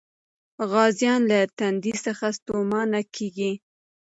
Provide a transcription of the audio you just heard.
غازيان له تندې څخه ستومانه کېږي.